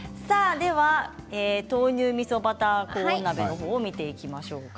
豆乳みそバターコーン鍋のほうを見ていきましょうか。